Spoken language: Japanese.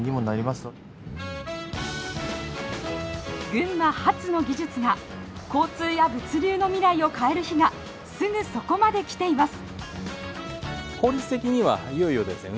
群馬発の技術が交通や物流の未来を変える日がすぐそこまで来ています。